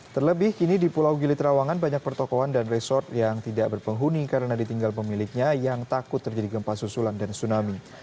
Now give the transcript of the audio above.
terlebih kini di pulau gili trawangan banyak pertokohan dan resort yang tidak berpenghuni karena ditinggal pemiliknya yang takut terjadi gempa susulan dan tsunami